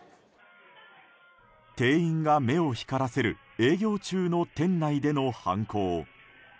店員が目を光らせる営業中の店内での犯行。